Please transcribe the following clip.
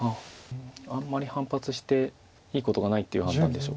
あんまり反発していいことがないっていう判断でしょうか。